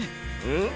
えっ？